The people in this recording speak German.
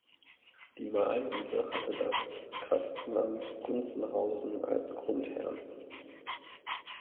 Die Mahlmühle hatte das Kastenamt Gunzenhausen als Grundherrn.